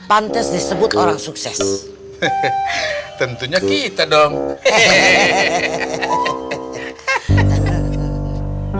pantes disebut orang sukses hehehe tentunya kita dong hehehe evet